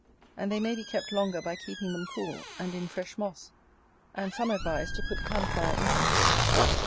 And they may be kept longer by keeping them cool, and in fresh moss; and some advise to put camphire into it.